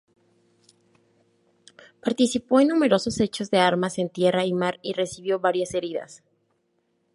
Participó en numerosos hechos de armas en tierra y mar y recibió varias heridas.